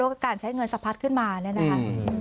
และการใช้เงินสะพัดขึ้นมาแล้วนะคะ